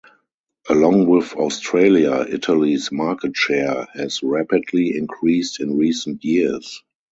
Along with Australia, Italy's market share has rapidly increased in recent years.